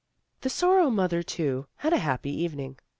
The Sorrow mother, too, had a happy evening.